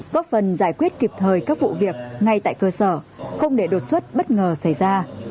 góp phần giải quyết kịp thời các vụ việc ngay tại cơ sở không để đột xuất bất ngờ xảy ra